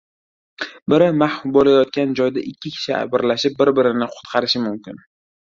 Biri mahv bo‘layotgan joyda ikki kishi birlashib biri-birini qutqarishi mumkin.